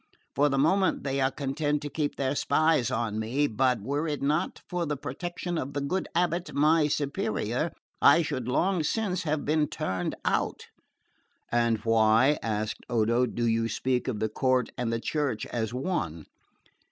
For the moment they are content to keep their spies on me; but were it not for the protection of the good abate, my superior, I should long since have been turned out." "And why," asked Odo, "do you speak of the court and the Church as one?"